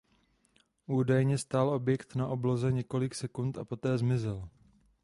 Údajně stál objekt na obloze několik sekund a poté zmizel.